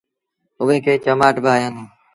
اُئي کي چمآٽ با هيآندونٚ۔